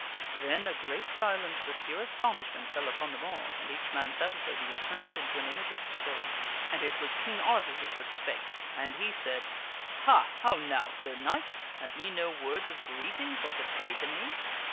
' Then a great silence of pure astonishment fell upon them all, and each man sat as though he were turned into an image of stone. And it was King Arthur who first spake. And he said :" Ha ! how now, Sir Knights ? Have ye no words of greeting for to pay to me?